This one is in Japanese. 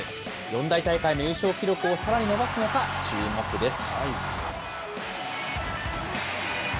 四大大会の優勝記録をさらに伸ばすのか注目です。